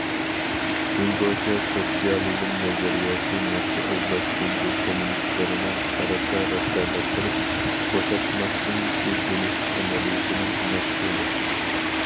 جۇڭگوچە سوتسىيالىزم نەزەرىيەسى نەچچە ئەۋلاد جۇڭگو كوممۇنىستلىرىنىڭ خەلققە رەھبەرلىك قىلىپ، بوشاشماستىن ئىزدىنىش ئەمەلىيىتىنىڭ مەھسۇلى.